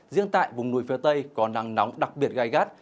riêng tại vùng núi phía tây có nắng nóng đặc biệt gai gắt